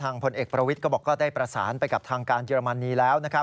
ทางพลเอกปรวิสถาก็ได้ประสานไปกับทางการเจรมณีแล้ว